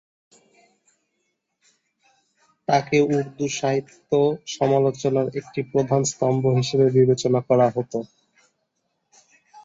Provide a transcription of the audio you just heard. তাকে উর্দু সাহিত্য সমালোচনার একটি প্রধান স্তম্ভ হিসেবে বিবেচনা করা হত।